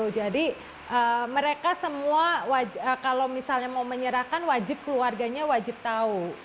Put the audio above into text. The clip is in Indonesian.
jadi mereka semua kalau misalnya mau menyerahkan wajib keluarganya wajib tahu